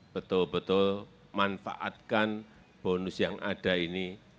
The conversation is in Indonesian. betul betul manfaatkan bonus yang ada ini